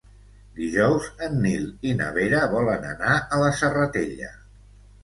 Dijous en Nil i na Vera volen anar a la Serratella.